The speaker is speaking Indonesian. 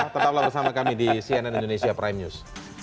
tetaplah bersama kami di cnn indonesia prime news